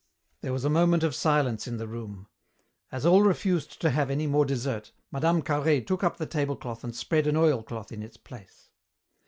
There was a moment of silence in the room. As all refused to have any more dessert, Mme. Carhaix took up the tablecloth and spread an oilcloth in its place.